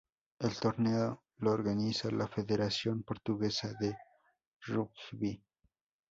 El torneo lo organiza la Federación Portuguesa de Rugby.